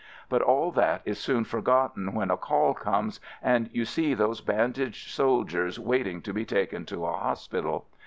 But all that is soon forgotten when a call comes, and you see those bandaged soldiers wait ing to be taken to a hospital.